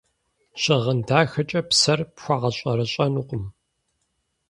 Щыгъын дахэкӏэ псэр пхуэгъэщӏэрэщӏэнукъым.